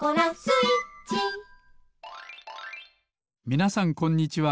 みなさんこんにちは。